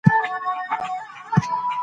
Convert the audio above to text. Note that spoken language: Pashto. سید قطب شهید د مطالعې لپاره یو ښه انتخاب دی.